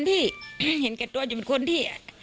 ที่เห็นแก่ตัวจะเป็นคนที่